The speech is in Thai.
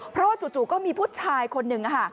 เพราะว่าจู่ก็มีผู้ชายคนหนึ่ง